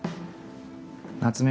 夏目